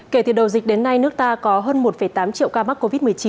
kể từ đầu dịch đến nay nước ta có hơn một tám triệu ca mắc covid một mươi chín